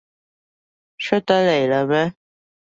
出得嚟喇咩？